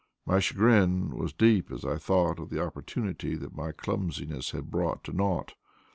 My chagrin was deep as I thought of the opportunity that my clumsiness had brought to naught.